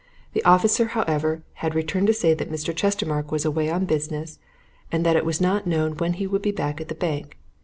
The officer, however, had returned to say that Mr. Chestermarke was away on business, and that it was not known when he would be back at the bank.